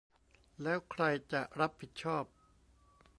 แล้วใครจะรับผิดชอบ ?